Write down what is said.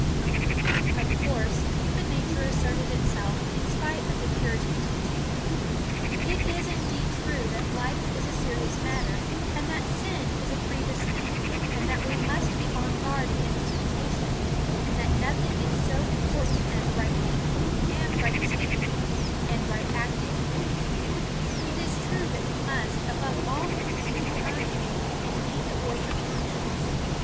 Of course, human nature asserted itself, in spite of the Puritan teaching. It is indeed true that life is a serious matter, and that sin is a grievous thing, and that we must be on guard against temptation, and that nothing is so important as right thinking, and right speaking, and right acting, it is true that we must, above all things, do our duty, and heed the voice of conscience.